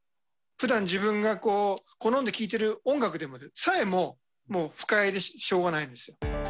ふだん、自分が好んで聴いてる音楽でさえも、不快でしょうがないんですよ。